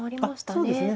そうですね。